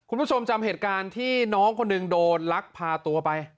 คุณผู้ชมจำเหตุการณ์ที่น้องคนหนึ่งโดนลักพาตัวไป